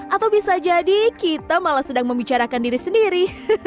atau bisa jadi kita malah sedang membicarakan diri sendiri